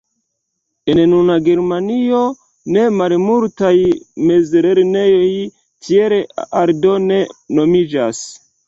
En nuna Germanio ne malmultaj mezlernejoj tiel aldone nomiĝas.